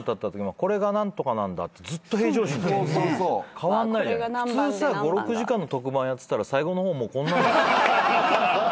「これが何番」普通５６時間の特番やってたら最後の方こんな。